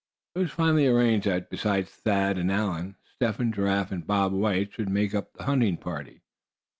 It was finally arranged that besides Thad and Allan, Step Hen, Giraffe and Bob White should make up the hunting party.